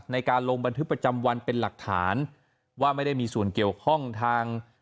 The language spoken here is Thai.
ในการลงบันทึกประจำวันเป็นหลักฐานว่าไม่ได้มีส่วนเกี่ยวข้องทาง